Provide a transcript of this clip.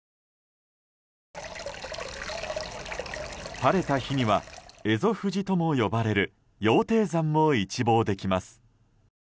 晴れた日には蝦夷富士とも呼ばれる羊蹄山も一望できます。